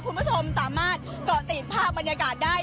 คุณผู้ชมสามารถเกาะติดภาพบรรยากาศได้